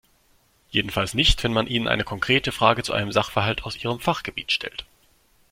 Jedenfalls nicht, wenn man ihnen eine konkrete Frage zu einem Sachverhalt aus ihrem Fachgebiet stellt.